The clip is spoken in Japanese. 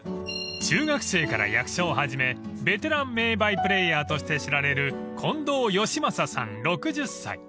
［中学生から役者を始めベテラン名バイプレイヤーとして知られる近藤芳正さん６０歳］